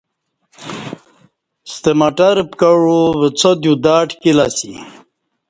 ستہ مٹر پکعو وڅودیو دا ٹکِیل اسی۔